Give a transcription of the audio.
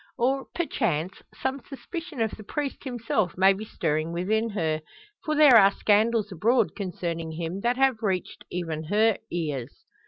Or, perchance, some suspicion of the priest himself may be stirring within her: for there are scandals abroad concerning him, that have reached even her ears.